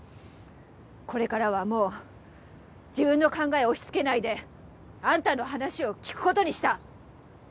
これからはもう自分の考えを押しつけないであんたの話を聞く事にした。